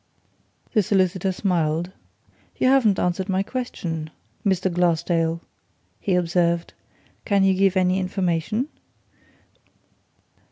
The solicitor smiled. "You haven't answered my question, Mr. Glassdale," he observed. "Can you give any information?"